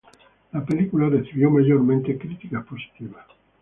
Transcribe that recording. La película recibió mayormente críticas positivas.